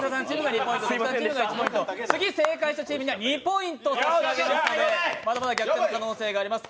次正解したチームには２ポイント差し上げますので、まだまだ逆転の可能性があります。